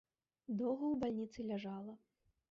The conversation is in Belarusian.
Доўга ў бальніцы ляжала.